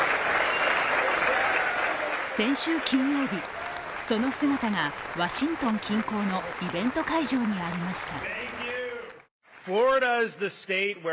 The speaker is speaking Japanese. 先週金曜日、その姿がワシントン近郊のイベント会場にありました。